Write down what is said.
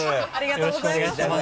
よろしくお願いします。